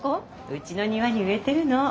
うちの庭に植えてるの。